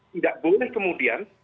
tidak boleh kemudian